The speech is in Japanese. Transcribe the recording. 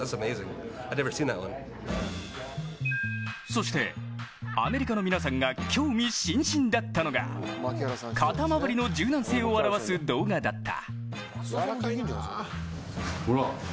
そして、アメリカの皆さんが興味津々だったのが肩周りの柔軟性を表す動画だった。